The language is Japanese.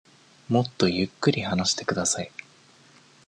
もっとゆっくり話してください。